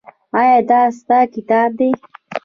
ایا دا ستا کتاب دی؟